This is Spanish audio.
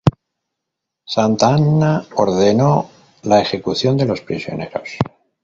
Santa Anna ordenó la ejecución de los prisioneros.